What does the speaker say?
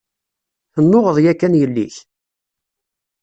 Tennuɣeḍ yakan yelli-k?